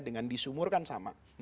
dengan di sumur kan sama